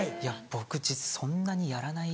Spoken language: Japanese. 僕そんなにやらない。